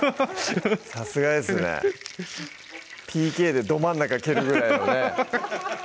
さすがですねＰＫでど真ん中蹴るぐらいのねアハハハ